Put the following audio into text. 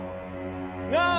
なあ？